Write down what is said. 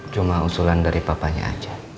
cuma usulan dari papanya aja